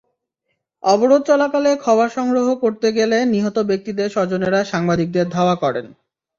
অবরোধ চলাকালে খবর সংগ্রহ করতে গেলে নিহত ব্যক্তিদের স্বজনেরা সাংবাদিকদের ধাওয়া করেন।